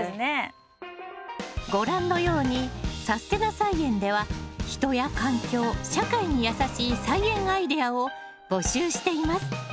ご覧のように「さすてな菜園」では人や環境社会にやさしい菜園アイデアを募集しています。